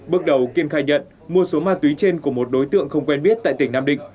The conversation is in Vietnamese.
bước đầu kiên khai nhận mua số ma túy trên của một đối tượng không quen biết tại tỉnh nam định